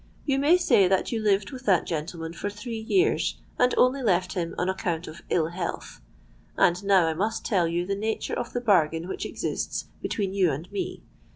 You may say that you lived with that gentleman for three years, and only left him on account of ill health. And now I must tell you the nature of the bargain which exists between you and me.